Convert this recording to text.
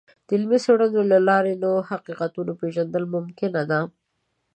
د علمي څیړنو له لارې د نوو حقیقتونو پیژندل ممکنه ده.